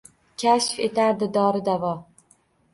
Kashf etardi dori-davo.